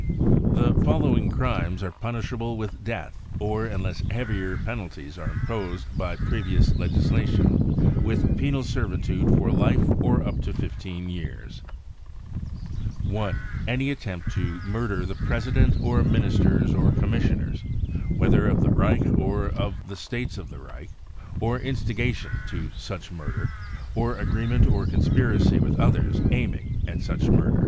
" The following crimes are punishable with death, or, unless heavier penalties are imposed by previous legisla tion,>with penal servitude for life or up to* 15 years ;" (1) any attempt to murder the President or Ministers or Commissioners, whether of the Reich or of the States of the Reich, or instigation to such murder, or agreement or conspiracy with others aiming at such murder.